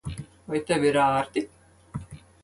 Vai tev ir ērti?